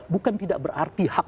bukan tidak berarti hak